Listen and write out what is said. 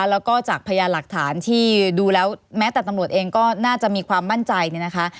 แล้วก็จากพยานหลักฐานที่ดูแล้วแม้แต่ตำรวจเองก็น่าจะมีความมั่นใจเนี่ยนะคะ